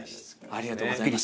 ありがとうございます。